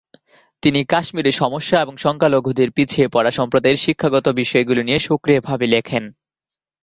তিনি কাশ্মীরের সমস্যা এবং সংখ্যালঘুদের পিছিয়ে পড়া সম্প্রদায়ের শিক্ষাগত বিষয়গুলি নিয়ে সক্রিয়ভাবে লেখেন।